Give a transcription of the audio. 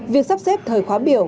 việc sắp xếp thời khóa biểu